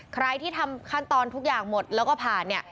ใครที่ทำขั้นตอนทุกอย่างหมดแล้วก็ผ่านเนี่ย